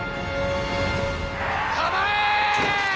構え！